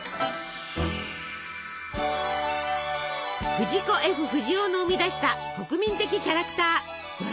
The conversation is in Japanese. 藤子・Ｆ・不二雄の生み出した国民的キャラクタードラえもん。